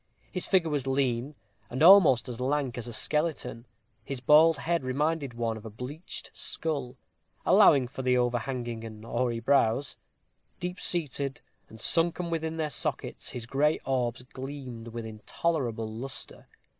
His figure was lean, and almost as lank as a skeleton. His bald head reminded one of a bleached skull, allowing for the overhanging and hoary brows. Deep seated, and sunken within their sockets, his gray orbs gleamed with intolerable lustre.